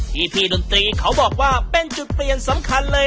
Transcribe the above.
พี่ดนตรีเขาบอกว่าเป็นจุดเปลี่ยนสำคัญเลย